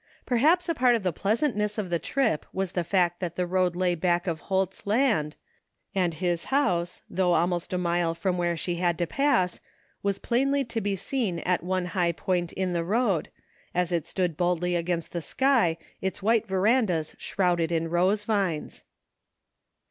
Perhaps a part of the pleasantness of the trip was in the fact that the road lay back of Holt's land, and his house, though almost a mile from where she had to pass, was plainly to be seen at one high point on the road, as it stood boldly against the sky, its wide verandas shrouded in rose vines.